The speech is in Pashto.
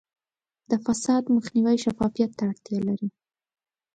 د فساد مخنیوی شفافیت ته اړتیا لري.